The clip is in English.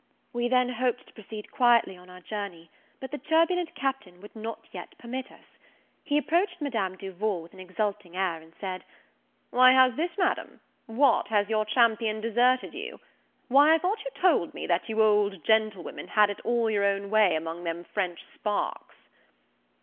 We then hoped to proceed quietly on our journey; but the turbulent Captain would not yet permit us. He approached Madame Duval with an exulting air, and said, "Why, how's this, Madame? what, has your champion deserted you? why, I thought you told me, that you old gentlewomen had it all your own way among them French sparks?"